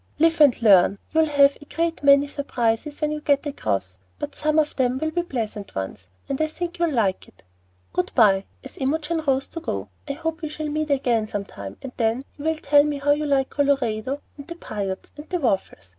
"Live and learn. You'll have a great many surprises when you get across, but some of them will be pleasant ones, and I think you'll like it. Good by," as Imogen rose to go; "I hope we shall meet again some time, and then you will tell me how you like Colorado, and the Piutes, and waffles.